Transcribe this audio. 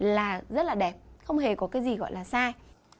là rất là đẹp không hề có cái gì gọi là sai